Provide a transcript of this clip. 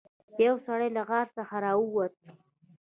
یو سړی له غار څخه راووت.